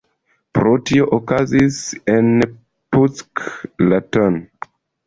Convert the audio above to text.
Pro tio okazis en Puck la tn.